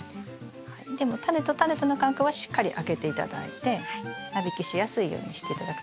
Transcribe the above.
でもタネとタネとの間隔はしっかり空けて頂いて間引きしやすいようにして頂くといいと思います。